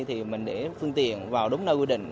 thì mình để phương tiện vào đúng nơi quy định